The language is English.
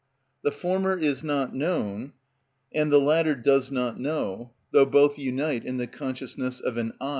The former is not known, and the latter does not know, though both unite in the consciousness of an I.